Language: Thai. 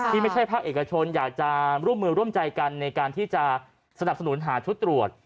ที่ไม่ใช่ภาคเอกชนอยากจะร่วมมือร่วมใจกันในการที่จะสนับสนุนหาชุดตรวจ